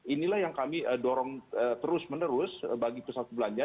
inilah yang kami dorong terus menerus bagi pusat belanja